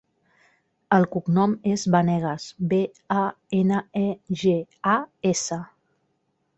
El cognom és Banegas: be, a, ena, e, ge, a, essa.